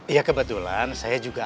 iya kebetulan saya juga